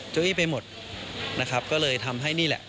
เก้าอี้ไปหมดนะครับก็เลยทำให้นี่แหละ